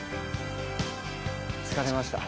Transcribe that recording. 疲れました。